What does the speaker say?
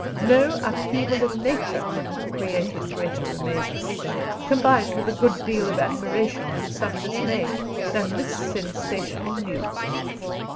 No upheaval of Nature could have created greater amazement, combined with a good deal of admiration and some dismay, than this sensational news.